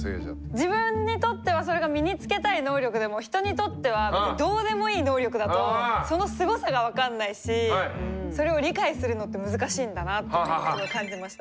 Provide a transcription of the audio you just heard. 自分にとってはそれが身につけたい能力でも人にとっては別にどうでもいい能力だとそのすごさが分かんないしそれを理解するのって難しいんだなっていうのをすごい感じました。